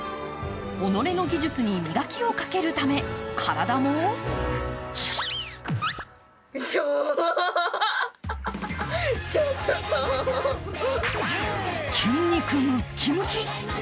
己の技術に磨きをかけるため体も筋肉むっきむき。